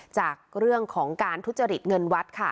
จากเรื่องของการทุจริตเงินวัดค่ะ